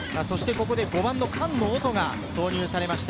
５番の菅野奏音が投入されました。